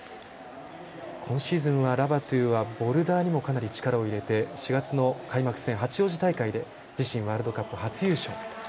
今シーズンはラバトゥはボルダーにもかなり力を入れて、４月の開幕戦八王子大会で自身ワールドカップ初優勝。